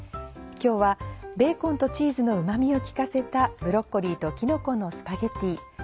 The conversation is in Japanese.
今日はベーコンとチーズのうま味を利かせたブロッコリーときのこのスパゲティ。